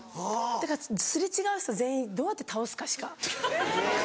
だから擦れ違う人全員どうやって倒すかしか。